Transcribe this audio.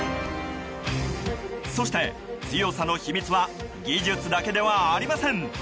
そして、強さの秘密は技術だけではありません。